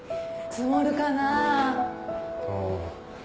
積もるな。